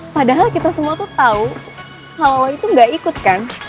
padahal kita semua tahu kalau lo itu gak ikut kan